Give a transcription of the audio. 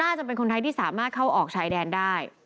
จะเป็นคนไทยที่สามารถเข้าออกชายแดนได้